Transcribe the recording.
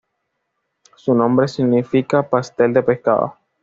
Su nombre significa pastel de pescado""'.